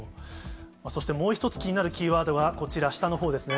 そしてもう１つ気になるキーワードはこちら、下のほうですね。